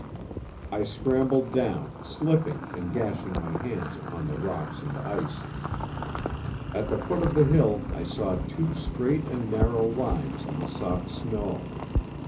I scrambled down, slipping, and gashing my hands upon the rocks and ice. At the foot of the hill I saw two straight and narrow lines on the soft snow.